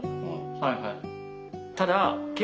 はいはい。